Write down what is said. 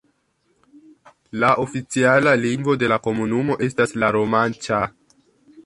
La oficiala lingvo de la komunumo estas la romanĉa.